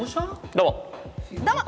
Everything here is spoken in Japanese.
どうも！